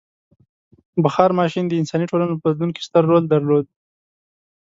• بخار ماشین د انساني ټولنو په بدلون کې ستر رول درلود.